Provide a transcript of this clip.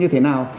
như thế nào